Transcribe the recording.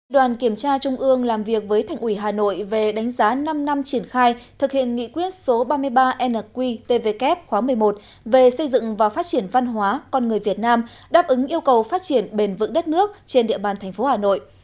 đoàn kiểm tra trung ương làm việc với thành ủy hà nội về đánh giá năm năm triển khai thực hiện nghị quyết số ba mươi ba nqtvk khóa một mươi một về xây dựng và phát triển văn hóa con người việt nam đáp ứng yêu cầu phát triển bền vững đất nước trên địa bàn tp hà nội